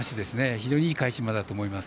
非常にいい返し馬だと思います。